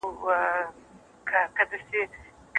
ټولنیز فکر د چاپېریال له تجربو جوړېږي.